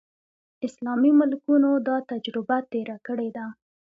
اسلامي ملکونو دا تجربه تېره کړې ده.